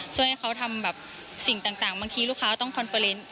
ช่วยให้เขาทำแบบสิ่งต่างบางทีลูกค้าต้องคอนเฟอร์เนส